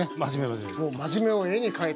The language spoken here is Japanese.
もう真面目を絵に描いたような。